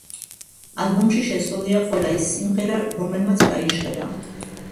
ალბომში შესულია ყველა ის სიმღერა რომელმაც გაიჟღერა.